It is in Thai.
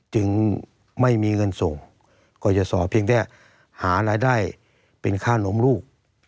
จึงไม่มีเงินส่งก็จะสอเพียงแค่หารายได้เป็นค่าล้มลูก